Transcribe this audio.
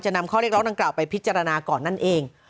นำข้อเรียกร้องดังกล่าวไปพิจารณาก่อนนั่นเอง